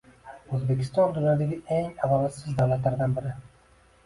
O'zbekiston dunyodagi eng adolatsiz davlatlardan biri